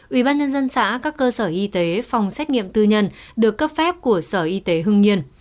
ủy ban nhân dân xã các cơ sở y tế phòng xét nghiệm tư nhân được cấp phép của sở y tế hương nhiên